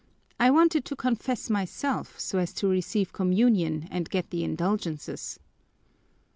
"I wanted to confess myself so as to receive communion and get the indulgences."